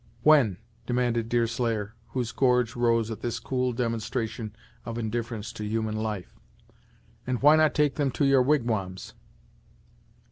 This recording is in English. "When?" demanded Deerslayer, whose gorge rose at this cool demonstration of indifference to human life. "And why not take them to your wigwams?"